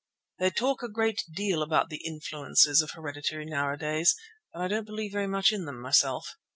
They talk a great deal about the influences of heredity nowadays, but I don't believe very much in them myself.